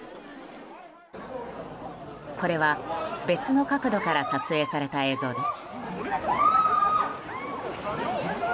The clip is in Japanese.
これは、別の角度から撮影された映像です。